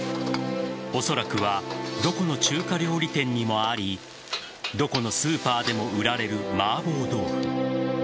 おそらくはどこの中華料理店にもありどこのスーパーでも売られる麻婆豆腐。